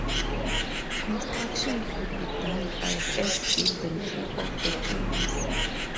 Construction could be done by first building two of the corners.